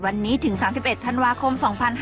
วันนี้ถึง๓๑ธันวาคม๒๕๕๙